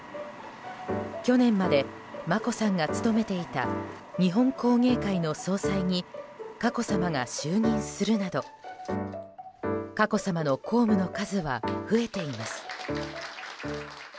去年まで眞子さんが務めていた日本工芸会の総裁に佳子さまが就任するなど佳子さまの公務の数は増えています。